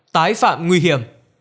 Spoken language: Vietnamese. ba tái phạm nguy hiểm